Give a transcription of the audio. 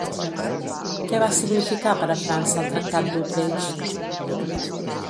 Què va significar per a França el Tractat d'Utrecht?